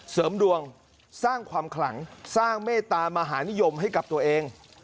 เสริมดวงสร้างความขลังสร้างเมตตามหานิยมให้กับตัวเอง